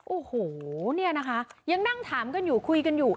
โอ้โหเนี่ยนะคะยังนั่งถามกันอยู่คุยกันอยู่